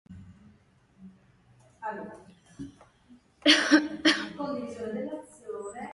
Dalla grotta sono emersi materiali litici e ceramici attribuiti al periodo Paleolitico superiore-bronzo finale.